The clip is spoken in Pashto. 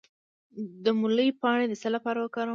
د مولی پاڼې د څه لپاره وکاروم؟